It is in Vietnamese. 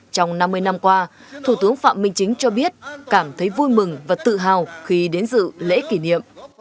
trong năm mươi năm qua thủ tướng phạm minh chính cho biết cảm thấy vui mừng và tự hào khi đến dự lễ kỷ niệm